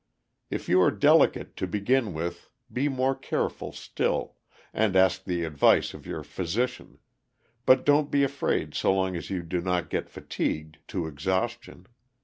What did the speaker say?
If you are delicate to begin with be more careful still, and ask the advice of your physician, but don't be afraid so long as you do not get fatigued to exhaustion.